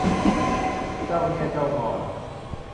เจ้าแง่เจ้างอน